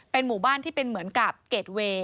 หมู่บ้านที่เป็นเหมือนกับเกรดเวย์